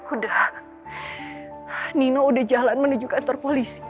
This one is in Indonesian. udah nino udah jalan menuju kantor polisi